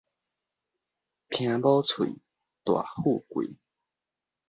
聽某喙，大富貴